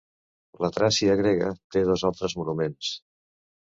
La Tràcia grega té dos altres monuments.